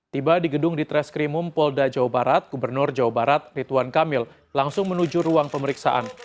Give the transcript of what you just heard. tiba di gedung di treskrimum polda jawa barat gubernur jawa barat rituan kamil langsung menuju ruang pemeriksaan